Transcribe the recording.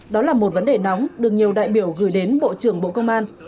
đó là một vấn đề nóng được nhiều đại biểu gửi đến bộ trưởng bộ công an